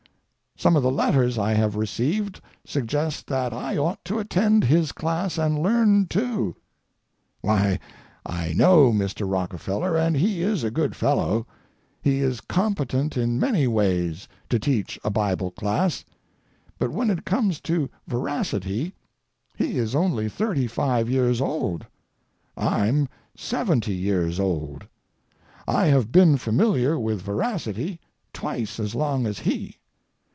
Some of the letters I have received suggest that I ought to attend his class and learn, too. Why, I know Mr. Rockefeller, and he is a good fellow. He is competent in many ways to teach a Bible class, but when it comes to veracity he is only thirty five years old. I'm seventy years old. I have been familiar with veracity twice as long as he.